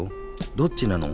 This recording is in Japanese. どっちなの？